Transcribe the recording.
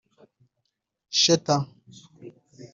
Sheter